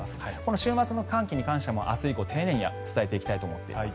週末の寒気に関しても明日以降、丁寧に伝えていきたいと思っています。